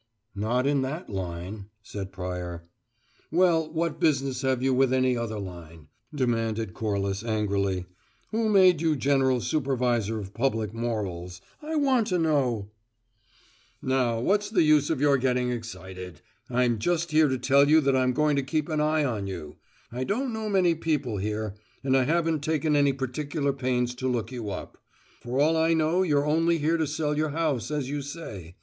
"Not in that line," said Pryor. "Well, what business have you with any other line?" demanded Corliss angrily. "Who made you general supervisor of public morals? I want to know " "Now, what's the use your getting excited? I'm just here to tell you that I'm going to keep an eye on you. I don't know many people here, and I haven't taken any particular pains to look you up. For all I know, you're only here to sell your house, as you say.